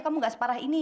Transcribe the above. kamu gak separah ini